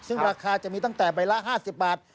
ซึ่งราคาจะมีตั้งแต่ใบละ๕๐บาท